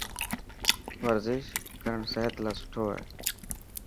ورزش ڪرن سحت لاءِ سٺو هي.